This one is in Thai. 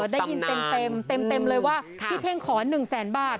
ได้ยินเต็มเลยว่าพี่เท่งขอ๑แสนบาท